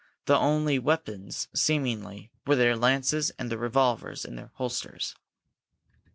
Their only weapons, seemingly, were their lances and the revolvers in their holsters.